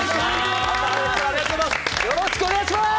よろしくお願いします。